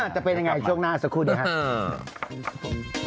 จะเป็นยังไงช่วงหน้าสักครู่เดียวครับ